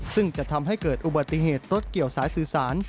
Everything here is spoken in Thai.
ซึ่งจะทำให้เกิดอุบัติเหตุรถเกี่ยวสายสื่อสาร